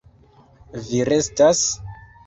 Vi restas?